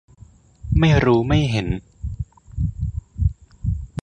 ไม่รู้ไม่เห็น